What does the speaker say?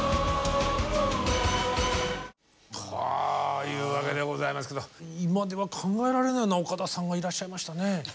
というわけでございますけど今では考えられないような岡田さんがいらっしゃいましたね。